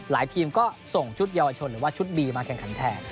ทีมก็ส่งชุดเยาวชนหรือว่าชุดบีมาแข่งขันแทน